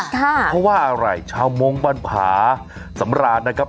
เพราะว่าอะไรชาวมงค์บ้านผาสำราญนะครับ